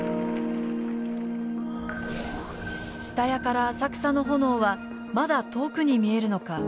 下谷から浅草の炎はまだ遠くに見えるのか